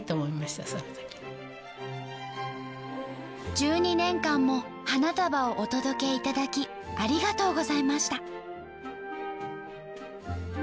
「十二年間も花束をお届けいただきありがとうございました」。